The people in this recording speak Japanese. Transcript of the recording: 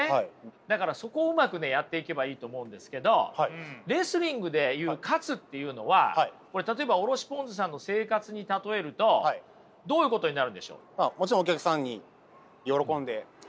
だからそこをうまくやっていけばいいと思うんですけどレスリングで言う勝つっていうのは例えばおろしぽんづさんの生活に例えるとどういうことになるんでしょう？